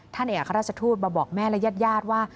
ในเอกราชทูตมาบอกแม่และญาติญาติว่า